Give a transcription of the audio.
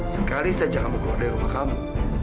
sekali saya cakap mau keluar dari rumah kamu